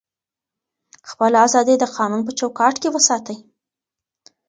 خپله ازادي د قانون په چوکاټ کي وساتئ.